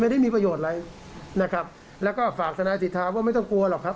ไม่ได้มีประโยชน์อะไรนะครับแล้วก็ฝากทนายสิทธาว่าไม่ต้องกลัวหรอกครับ